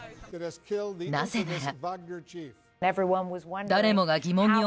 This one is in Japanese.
なぜなら。